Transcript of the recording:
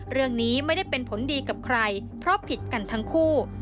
เรื่องนี้ไม่ได้เป็นผลดีกับใครเพราะผิดกันทั้งคู่